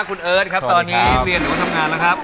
คุณเอิ้นครับตอนนี้เรียนแล้วทำงานนะครับ